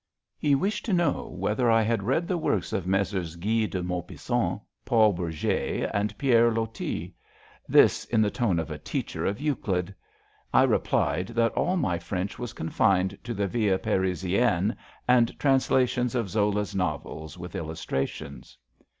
He wished to know whether I had read the works of Messrs. Guy de Maupassant, Paul Bourget and Pierre Loti. This in the tone of a teacher of Euclid. I replied that all my French was confined to the Vie Parisienne and translations of Zola's novels with illustrations.